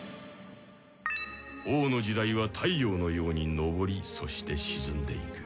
「王の時代は太陽のようにのぼりそして沈んでいく」